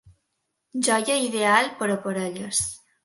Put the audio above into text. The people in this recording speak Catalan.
Joia ideal per a parelles.